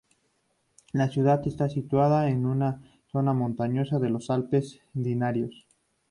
La ciudad está situada en una zona montañosa de los Alpes Dináricos.